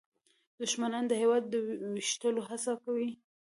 دښمنان د هېواد د ویشلو هڅه کوي